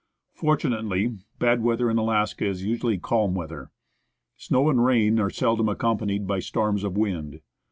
Fortunately, bad weather in Alaska is usually calm weather. Snow and rain are seldom accompanied by storms of wind.